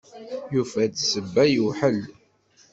Yufa-d ssebba yewḥel.